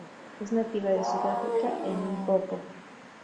Es nativa de Sudáfrica en Limpopo.